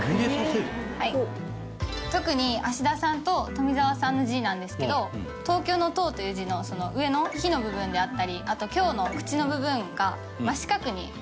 特に芦田さんと富澤さんの字なんですけど「東京」の「東」という字の上の「日」の部分であったりあと「京」の「口」の部分が。